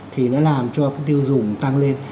thì nó làm cho cái tiêu dùng tăng lên